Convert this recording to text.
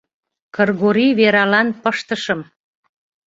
Кыргори Вералан пыштышым.